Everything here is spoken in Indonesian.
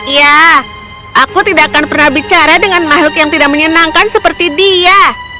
ya aku tidak akan pernah bicara dengan makhluk yang tidak menyenangkan seperti dia